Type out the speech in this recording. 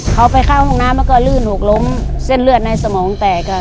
เขาไปเข้าห้องน้ำแล้วก็ลื่นหกล้มเส้นเลือดในสมองแตกค่ะ